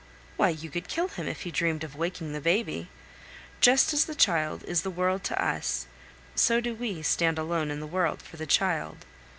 Why, you could kill him if he dreamed of waking the baby! Just as the child is the world to us, so do we stand alone in the world for the child.